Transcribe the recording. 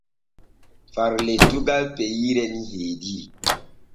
Far lettugal peyre ni heediri.